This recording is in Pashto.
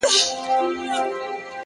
• فيصله د اسمانو د عدالت ده,